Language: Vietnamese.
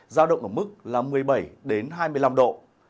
ra động ở mức là một mươi bảy đến hai mươi năm độ